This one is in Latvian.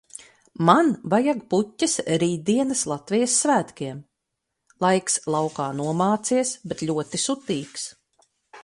Man vajag puķes rītdienas Latvijas svētkiem. Laiks laukā nomācies, bet ļoti sutīgs.